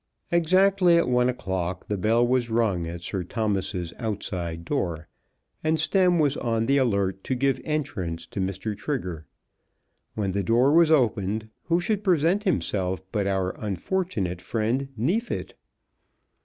Exactly at one o'clock the bell was rung at Sir Thomas's outside door, and Stemm was on the alert to give entrance to Mr. Trigger. When the door was opened who should present himself but our unfortunate friend Neefit.